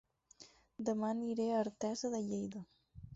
Dema aniré a Artesa de Lleida